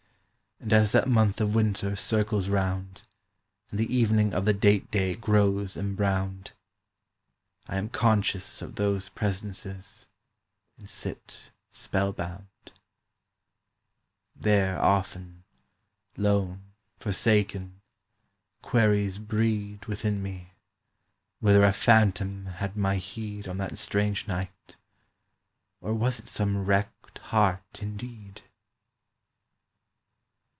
And as that month of winter Circles round, And the evening of the date day Grows embrowned, I am conscious of those presences, and sit spellbound. There, often—lone, forsaken— Queries breed Within me; whether a phantom Had my heed On that strange night, or was it some wrecked heart indeed?